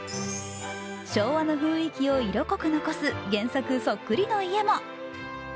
昭和の雰囲気を色濃く残す原作そっくりの家も。